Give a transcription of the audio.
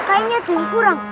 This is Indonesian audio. kayaknya tuh yang kurang